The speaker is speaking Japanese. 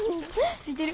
ついてる？